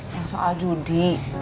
yang soal judi